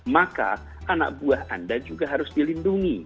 maka anak buah anda juga harus dilindungi